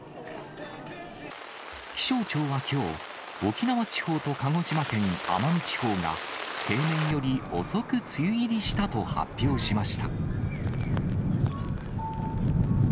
気象庁はきょう、沖縄地方と鹿児島県奄美地方が、平年より遅く梅雨入りしたと発表しました。